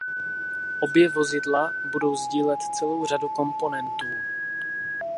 Obě vozidla budou sdílet celou řadu komponentů.